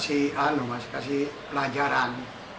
itu kasih pelajaran